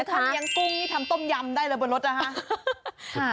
คือทำเนียงกุ้งทำต้มยำได้เลยบนรถน่ะฮะ